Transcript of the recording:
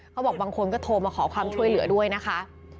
บางคนก็โทรมาขอความช่วยเหลือด้วยนะคะ